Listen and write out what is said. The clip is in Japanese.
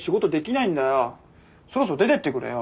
そろそろ出てってくれよ。